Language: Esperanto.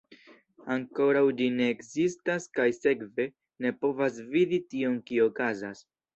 Ankoraŭ ĝi ne ekzistas kaj sekve, ne povas vidi tion kio okazas.